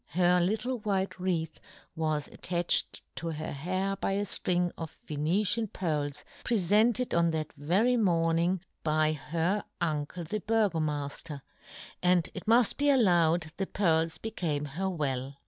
Her little white wreath was attached to her hair by a firing of Venetian pearls, prefented on that very morning by her uncle the Burgomafter, and it muft be al lowed the pearls became her well.